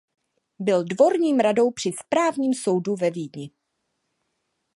Byl dvorním radou při správním soudu ve Vídni.